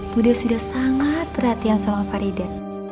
bu de sudah sangat perhatian sama farida